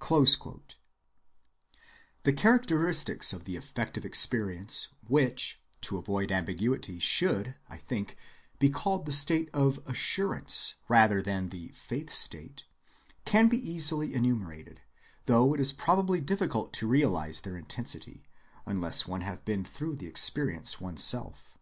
(133) The characteristics of the affective experience which, to avoid ambiguity, should, I think, be called the state of assurance rather than the faith‐ state, can be easily enumerated, though it is probably difficult to realize their intensity, unless one have been through the experience one's self.